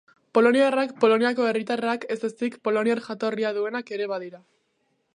Poloniarrak Poloniako herritarrak ez ezik poloniar jatorria duenak ere badira.